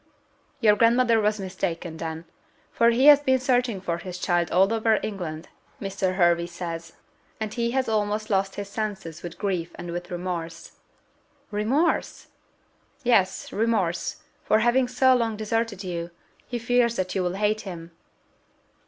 "Your grandmother was mistaken, then; for he has been searching for his child all over England, Mr. Hervey says; and he has almost lost his senses with grief and with remorse!" "Remorse!" "Yes, remorse, for having so long deserted you: he fears that you will hate him."